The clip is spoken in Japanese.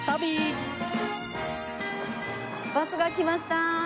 バスが来ました！